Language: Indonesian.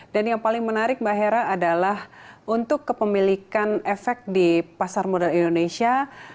dan yang paling menarik mbak hera adalah untuk kepemilikan efek di pasar modal indonesia